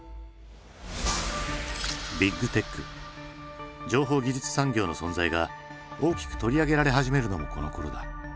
ビッグテック情報技術産業の存在が大きく取り上げられ始めるのもこのころだ。